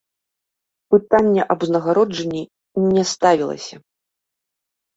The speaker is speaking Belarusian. Пытанне аб узнагароджанні не ставілася.